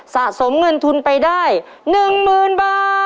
สะสมเงินทุนไปได้๑๐๐๐บาท